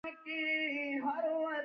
احمد په هر څه پوره او ښکلی سړی دی.